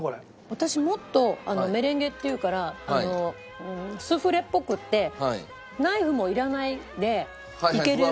私もっとメレンゲっていうからスフレっぽくってナイフもいらないでいける。